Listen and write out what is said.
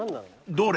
［どれ？］